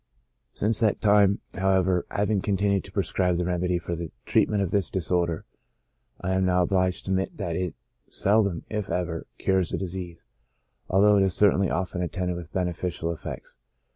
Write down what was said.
Since that time, however, having continued to prescribe the remedy for the treatment of this disorder, I am now obliged to admit that it seldom, if ever, cures the disease, although it is certainly often attended with beneficial effects.